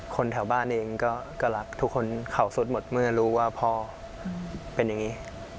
แถวบ้านเองก็รักทุกคนเขาสุดหมดเมื่อรู้ว่าพ่อเป็นอย่างนี้